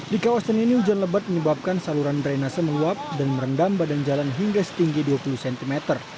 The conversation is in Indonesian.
di kawasan ini hujan lebat menyebabkan saluran drainase meluap dan merendam badan jalan hingga setinggi dua puluh cm